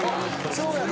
そうやろ？